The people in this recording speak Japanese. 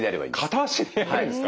片足でやるんですか？